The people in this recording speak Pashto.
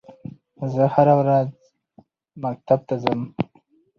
زه هره ورځ مکتب ته ځم